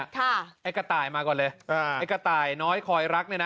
ค่ะไอ้กระต่ายมาก่อนเลยไอ้กระต่ายน้อยคอยรัก